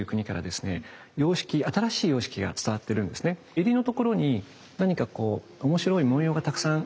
襟のところに何かこう面白い文様がたくさんありますよね？